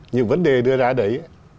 những vấn đề đưa ra đấy